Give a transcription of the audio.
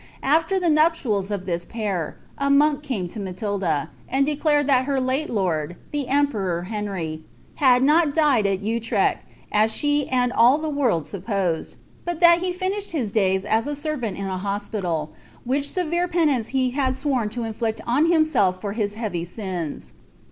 After the nuptials of this pair, a monk came to Matilda, and declared that her late lord, the emperor Henry, had not died at Utrecht, as she and all the world supposed, but that he finished his days as a servant in an hospital, which severe penance he had sworn to inflict on himself for his heavy sins.